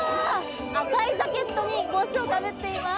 赤いジャケットに、帽子をかぶっています。